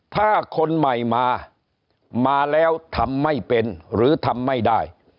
ถ้าคนใหม่มามาแล้วทำไม่เป็นหรือทำไม่ได้